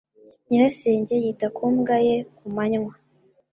Nyirasenge yita ku mbwa ye ku manywa.